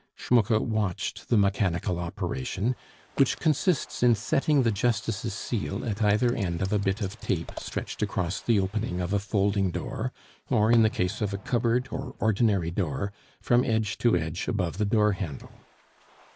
Schmucke watched the mechanical operation which consists in setting the justice's seal at either end of a bit of tape stretched across the opening of a folding door; or, in the case of a cupboard or ordinary door, from edge to edge above the door handle.